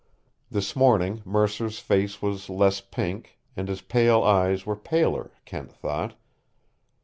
This morning Mercer's face was less pink, and his pale eyes were paler, Kent thought.